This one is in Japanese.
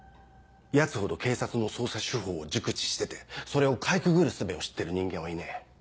ヤツほど警察の捜査手法を熟知しててそれをかいくぐるすべを知ってる人間はいねえ。